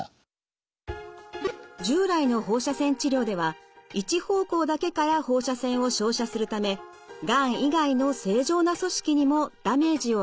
従来の放射線治療では一方向だけから放射線を照射するためがん以外の正常な組織にもダメージを与えてしまいます。